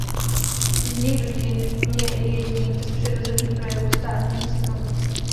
Vznik dutin je jedním z přirozených projevů stárnutí stromu.